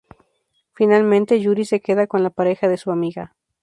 Finalmente Yuri se queda con la pareja de su amiga.